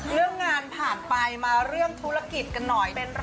เห็นบอกว่าเป็นสาวอุดรเหรอ